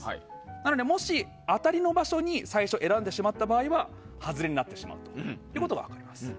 なので、もし当たりの場所を最初選んでしまった場合は外れになってしまうということが分かります。